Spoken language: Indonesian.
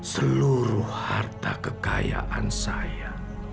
seluruh harta kekayaan saya